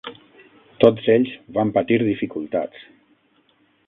Tots ells van patir dificultats.